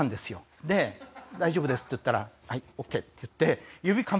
で「大丈夫です」って言ったら「はいオーケー」って言って。